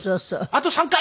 「あと３回！」